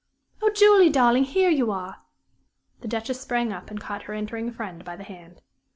Oh, Julie, darling here you are!" The Duchess sprang up and caught her entering friend by the hand.